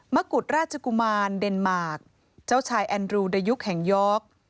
กุฎราชกุมารเดนมาร์คเจ้าชายแอนดรูดายุคแห่งยอร์ก